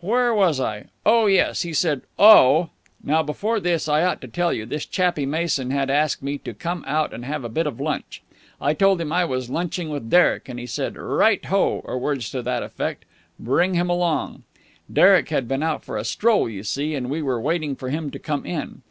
Where was I? Oh, yes. He said 'Oh!' Now, before this, I ought to tell you, this chappie Mason had asked me to come out and have a bit of lunch. I had told him I was lunching with Derek, and he said 'Right ho,' or words to that effect, 'Bring him along.' Derek had been out for a stroll, you see, and we were waiting for him to come in.